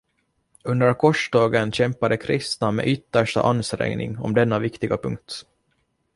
Under korstågen kämpade kristna med yttersta ansträngning om denna viktiga punkt.